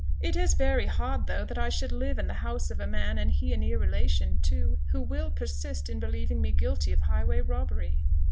"It is very hard, though, that I should live in the house of a man, and he a near relation too, who will persist in believing me guilty of a highway robbery."